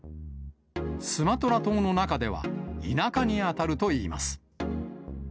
スマトラ島の中では、田舎に当たるといいます。